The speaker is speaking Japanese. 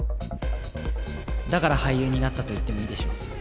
だから俳優になったと言ってもいいでしょう。